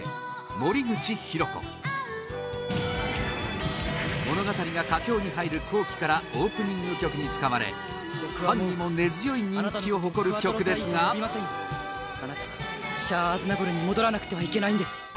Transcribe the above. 森口博子物語が佳境に入る後期からオープニング曲に使われファンにも根強い人気を誇る曲ですがカミーユ・ビダン：あなたはシャア・アズナブルに戻らなくてはいけないんです。